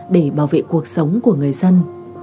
để bảo vệ cuộc sống của người dân